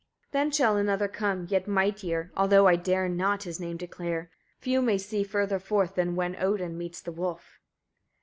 42. Then shall another come, yet mightier, although I dare not his name declare. Few may see further forth than when Odin meets the wolf.